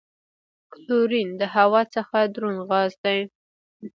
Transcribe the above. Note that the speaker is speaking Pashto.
کلورین د هوا څخه دروند غاز دی.